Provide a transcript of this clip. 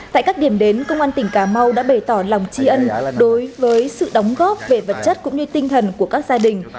tại các điểm đến công an tỉnh cà mau đã bày tỏ lòng tri ân đối với sự đóng góp về vật chất cũng như tinh thần của các gia đình